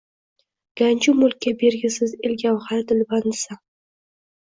Ganju mulkka bergisiz el gavhari, dilbandisan.